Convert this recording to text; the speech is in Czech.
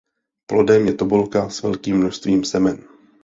Plodem je tobolka s velkým množstvím semen.